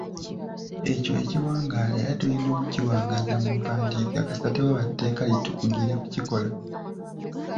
Ekyo ekiwangaala era tulina okukiwangaaza mu mpandiika, kasita tewaba tteeka litukugira kukikola.